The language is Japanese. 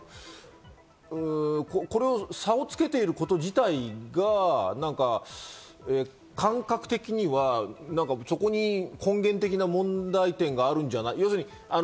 差をつけていること自体が感覚的には、そこに根源的な問題があるんじゃない？